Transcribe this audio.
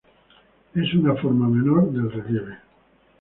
Es una forma menor del relieve.